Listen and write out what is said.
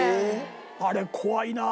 あれ怖いなあ！